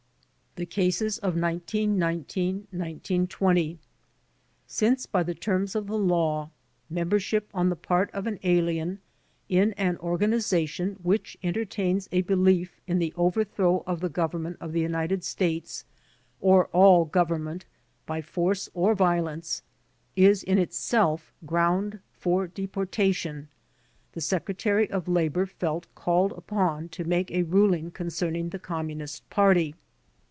The Cases of 1919 1920 Since, by the terms of the law, membership on the part of an alien in an organization which entertains a belief in the overthrow of the Government of the United States, or all government, by force or violence, is in itself ground for deportation, the Secretary of Labor felt called upon to make a ruling concerning the Communist Party.